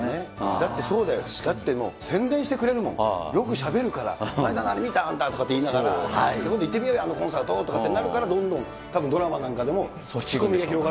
だってそうだよ、だって宣伝してくれるもん、よくしゃべるから、この間見て、あれとか言いながら、今度行ってみようよ、あのコンサートとかってなるからどんどん、たぶんドラマなんかでも、そうですね。